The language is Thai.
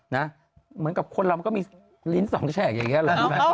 เหมือนกับคนเรามันก็มีลิ้นสองแฉกอย่างนี้หรอ